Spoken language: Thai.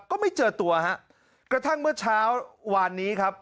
ก็ไม่เจอตัวฮะกระทั่งเมื่อเช้าวานนี้ครับ